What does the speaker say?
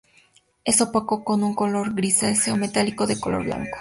Es opaco con un color grisáceo metálico de color blanco.